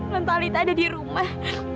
lontalita ada di rumah